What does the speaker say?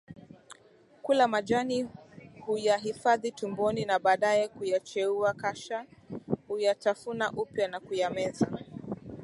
kula majani huya hifadhi tumboni na baadae kuya cheuwa kasha huyatafuna upya na kuyameza